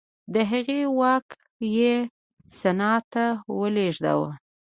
د هغې واک یې سنا ته ولېږداوه